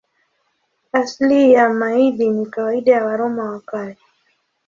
Asili ya maili ni kawaida ya Waroma wa Kale.